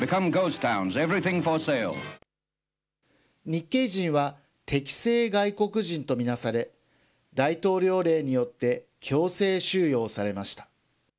日系人は敵性外国人と見なされ、大統領令によって強制収容されました。